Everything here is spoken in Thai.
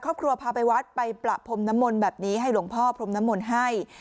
ครอบครัวพาไปวัดไปประพรมนมลแบบนี้ให้หลวงพ่อพรมนมลให้